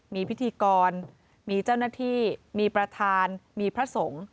มีพิธีกรมีเจ้าหน้าที่มีประธานมีพระสงฆ์